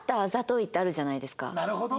なるほど。